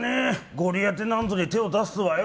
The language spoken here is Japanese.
ゴリアテなんぞに手を出すとはよ。